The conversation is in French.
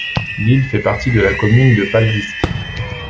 L'île fait partie de la commune de Paldiski.